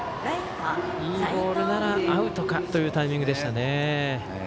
いいボールならアウトかというタイミングでした。